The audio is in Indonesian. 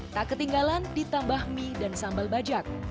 tak ketinggalan ditambah mie dan sambal bajak